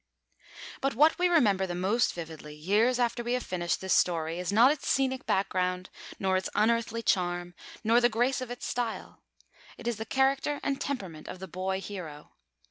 But what we remember the most vividly, years after we have finished this story, is not its scenic background, nor its unearthly charm, nor the grace of its style; it is the character and temperament of the boy hero.